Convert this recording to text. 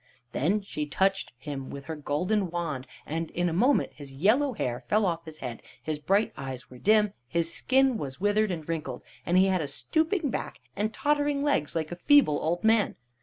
Then she touched him with her golden wand. In a moment his yellow hair fell off his head; his bright eyes were dim; his skin was withered and wrinkled, and he had a stooping back and tottering legs like a feeble old man.